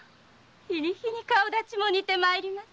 日に日に顔立ちも似て参ります。